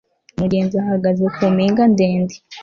Umugenzi ahagaze ku mpinga ndende